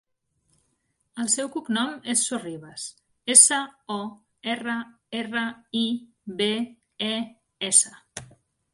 El seu cognom és Sorribes: essa, o, erra, erra, i, be, e, essa.